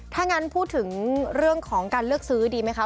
ถ้างั้นพูดถึงเรื่องของการเลือกซื้อดีไหมคะ